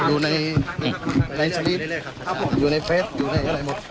อยู่ในสลิปอยู่ในเฟสอยู่ในอะไรหมด